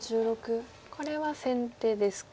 これは先手ですか？